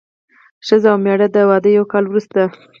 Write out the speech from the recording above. ښځه او مېړه د واده یو کال وروسته.